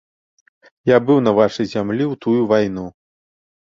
Я быў на вашай зямлі ў тую вайну.